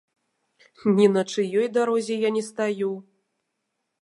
Ні на чыёй дарозе я не стаю.